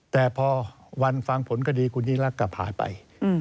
แต่พอวันฟังผลคดีคุณยิ่งรักกลับหายไป